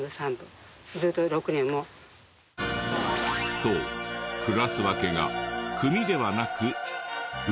そうクラス分けが「組」ではなく「部」。